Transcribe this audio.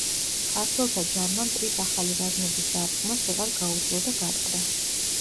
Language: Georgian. ქართველთა ჯარმა მტრის ახალი რაზმების დარტყმას ვეღარ გაუძლო და გატყდა.